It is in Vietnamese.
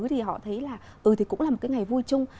thì họ thấy là thì cũng là một cái ngày vui chung